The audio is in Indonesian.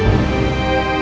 mereka tahu ngeri kita